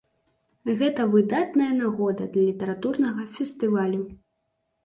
І гэта выдатная нагода для літаратурнага фестывалю!